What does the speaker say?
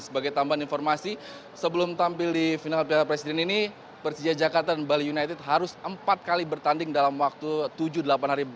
sebagai tambahan informasi sebelum tampil di final piala presiden ini persija jakarta dan bali united harus empat kali bertanding dalam waktu tujuh delapan hari